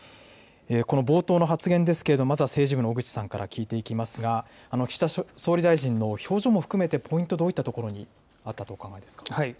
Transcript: この冒頭の発言ですけれども、まずは政治部の小口さんから聞いていきますが、岸田総理大臣の表情も含めて、ポイント、どういったところにあったとお考えですか。